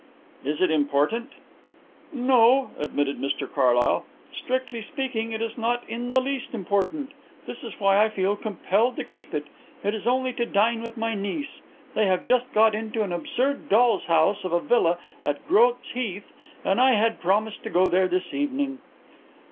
"Is it important?" "No," admitted Mr Carlyle. "Strictly speaking, it is not in the least important; this is why I feel compelled to keep it. It is only to dine with my niece. They have just got into an absurd doll's house of a villa at Groat's Heath and I had promised to go there this evening."